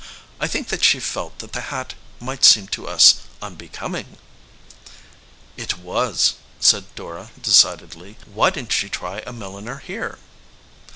I think she felt that the hat might seem to us unbecoming." "It was," said Dora decidedly. "Why didn t she try a milliner here?"